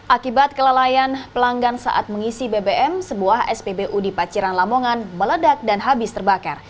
akibat kelalaian pelanggan saat mengisi bbm sebuah spbu di paciran lamongan meledak dan habis terbakar